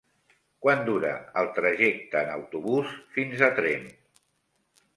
Quant dura el trajecte en autobús fins a Tremp?